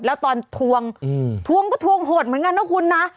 แล้วตอนทวงทวงก็ทวงหดเหมือนกันนะคุณนะ